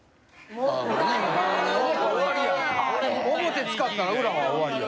表使ったら裏は終わりや。